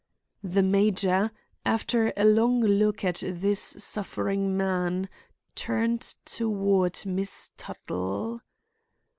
The major, after a long look at this suffering man, turned toward Miss Tuttle.